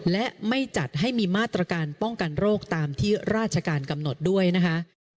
และไม่จัดให้มีมาตรการป้องกันโรคตามที่ราชการกำหนดด้วยนะคะ